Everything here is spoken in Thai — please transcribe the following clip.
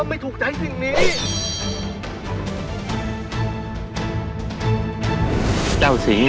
ต้องไม่ถูกใจสิ่งนี้